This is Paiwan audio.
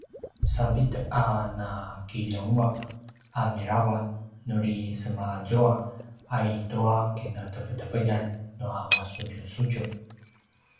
savid a nakiljengua’ a mirava nuri semaazua a i tua kinateveteveljan nua masudjusudju